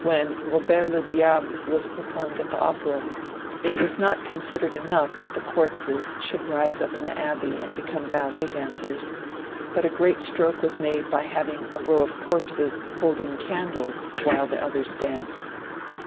When ^^ Bobert le Diable " was performed at the Oi)era, it was not considered enough that the corpses should rise up iix the abbey and become ballet dancers, but a great stroke was made by having a row of corpses holding candles while the others danced!